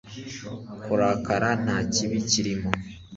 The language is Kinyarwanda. Kurakara nta kibi kirimo